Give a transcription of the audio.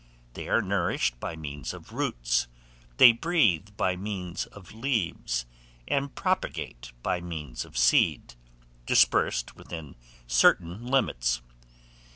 They are nourished by means of roots; they breathe by means of leaves; and propagate by means of seed, dispersed within certain limits.